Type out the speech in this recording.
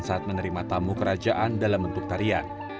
saat menerima tamu kerajaan dalam bentuk tarian